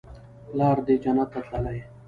پلار دې جنت ته تللى.